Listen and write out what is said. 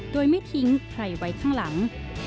โดยไม่ทิ้งใครไว้ข้างหลัง